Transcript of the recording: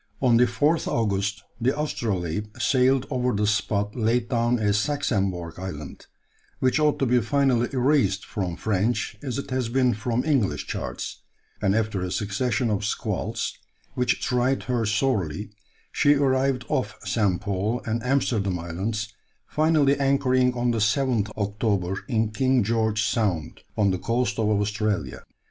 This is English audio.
On the 4th August the Astrolabe sailed over the spot laid down as "Saxembourg" Island, which ought to be finally erased from French as it has been from English charts; and after a succession of squalls, which tried her sorely, she arrived off St. Paul and Amsterdam Islands, finally anchoring on the 7th October in King George's Sound, on the coast of Australia.